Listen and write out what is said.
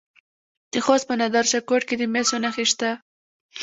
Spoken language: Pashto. د خوست په نادر شاه کوټ کې د مسو نښې شته.